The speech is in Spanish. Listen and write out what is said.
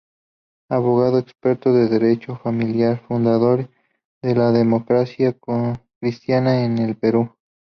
Abogado, experto en derecho de familia, fundador de la Democracia Cristiana en el Perú.